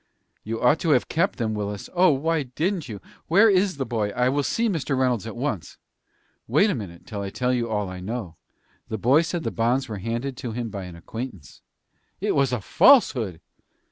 "You ought to have kept them, Willis. Oh! why didn't you? Where is the boy? I will see Mr. Reynolds at once." "Wait a minute, till I tell you all I know. The boy said the bonds were handed to him by an acquaintance." "It was a falsehood."